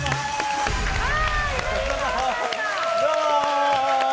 どうもー！